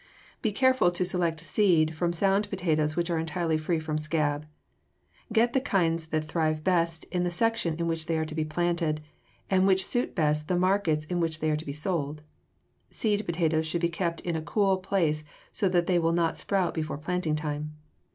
Be careful to select seed from sound potatoes which are entirely free from scab. Get the kinds that thrive best in the section in which they are to be planted and which suit best the markets in which they are to be sold. Seed potatoes should be kept in a cool place so that they will not sprout before planting time.